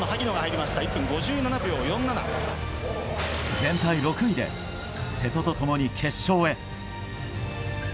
全体６位で瀬戸と共に決勝へ。